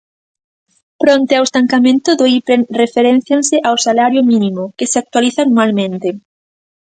Fronte ao estancamento do Iprem, referéncianse ao salario mínimo, que se actualiza anualmente.